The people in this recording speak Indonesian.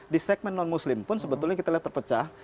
di segmen non muslim pun sebetulnya kita lihat terpecah